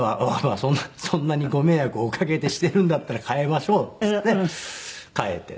そんなにご迷惑をおかけしてるんだったら替えましょうっつって替えて。